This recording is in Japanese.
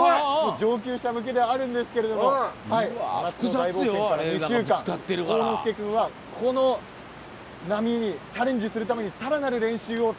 上級者向けではあるんですが真夏の大冒険から１週間幸之介君はこの波にチャレンジするためにさらなる練習をどう？